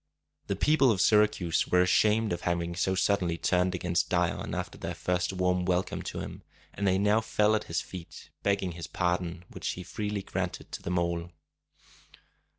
The people of Syracuse were ashamed of having so suddenly turned against Dion after their first warm welcome to him, and they now fell at his feet, begging his pardon, which he freely granted to them all.